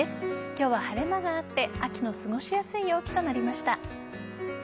今日は晴れ間があって秋の過ごしやすい陽気となりました。